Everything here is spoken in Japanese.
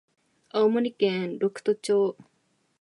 青森県六戸町